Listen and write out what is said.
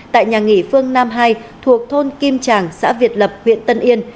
tại nhà nghỉ phương nam hai thuộc thôn kim tràng xã việt lập huyện tân yên